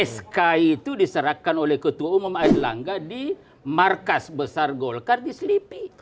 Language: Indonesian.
sk itu diserahkan oleh ketua umum air langga di markas besar golkar di selipi